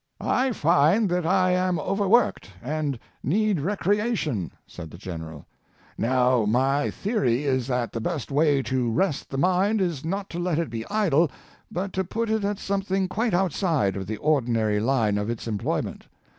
" I find that I am overworked, and need recreation," said the General. ''Now, my theory is that the best way to rest the mind is not to let it be idle, but to put it at something quite outside of the ordinary line of its employment.